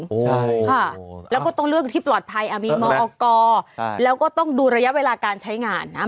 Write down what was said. ใช่ค่ะแล้วก็ต้องเลือกที่ปลอดภัยมีมออกแล้วก็ต้องดูระยะเวลาการใช้งานนะ